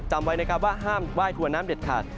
จำไว้นะครับว่าห้ามไหว้ถั่วน้ำเด็ดขาด